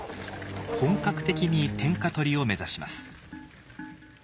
本格的に天下取りを目指します。